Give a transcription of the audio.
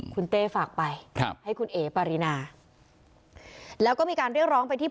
คุณเต้ฝากไปครับให้คุณเอ๋ปารีนาแล้วก็มีการเรียกร้องไปที่